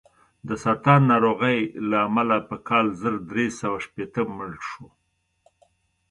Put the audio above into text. د سرطان ناروغۍ له امله په کال زر درې سوه شپېته مړ شو.